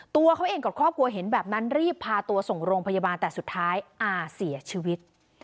ตัวเขาเองกับครอบครัวเห็นแบบนั้นรีบพาตัวส่งโรงพยาบาลแต่สุดท้ายอาเสียชีวิต